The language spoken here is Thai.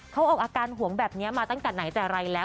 เขาออกอาการห่วงแบบนี้มาตั้งแต่ไหนแต่ไรแล้ว